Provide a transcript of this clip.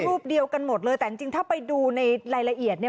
รูปเดียวกันหมดเลยแต่จริงถ้าไปดูในรายละเอียดเนี่ย